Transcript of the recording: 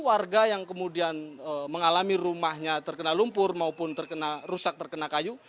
warga yang kemudian mengalami rumahnya terkena lumpur maupun rusak terkena kayu